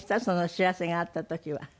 その知らせがあった時は。